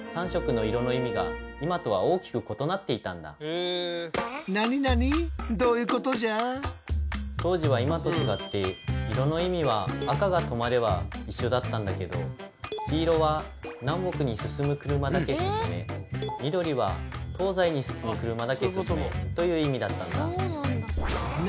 そんな中当時は今と違って色の意味は赤が「止まれ」は一緒だったんだけど黄色は「南北に進む車だけ進め」緑は「東西に進む車だけ進め」という意味だったんだ。